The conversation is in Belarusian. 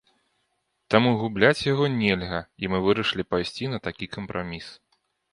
Таму губляць яго нельга, і мы вырашылі пайсці на такі кампраміс.